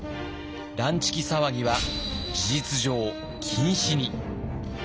乱痴気騒ぎは事実上禁止に。